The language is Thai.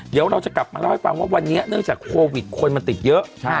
เดี๋ยวเราจะกลับมาเล่าให้ฟังว่าวันนี้เนื่องจากโควิดคนมันติดเยอะ